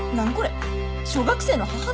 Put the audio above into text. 小学生の母の日？